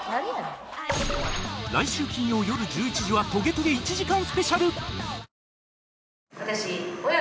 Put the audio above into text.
来週金曜よる１１時は『トゲトゲ』１時間スペシャル